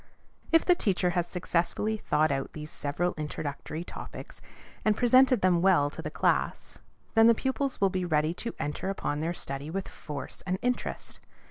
If the teacher has successfully thought out these several introductory topics, and presented them well to the class, then the pupils will be ready to enter upon their study with force and interest.